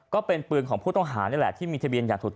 ก็เป็นปืนของผู้ต้องหานี่แหละที่มีทะเบียนอย่างถูก